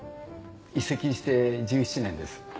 移籍して１７年です。